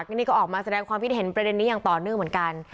นี่ก็ออกมาแสดงความคิดเห็นประเด็นนี้อย่างต่อเนื่องเหมือนกัน